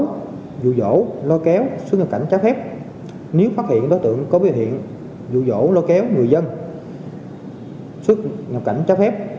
nếu có vụ dỗ lôi kéo xuất cảnh trái phép nếu phát hiện đối tượng có biểu hiện vụ dỗ lôi kéo người dân xuất cảnh trái phép